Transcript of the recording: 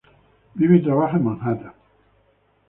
Vive y trabaja en Manhattan.